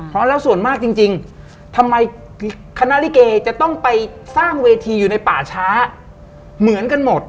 เพราะแล้วส่วนมากจริงทำไมคณะลิเกจะต้องไปสร้างเวทีอยู่ในป่าช้าเหมือนกันหมด